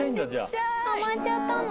捕まっちゃったの？